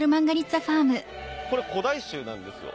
これ古代種なんですよ。